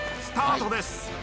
スタートです。